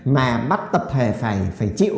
mà bắt tập thể phải chịu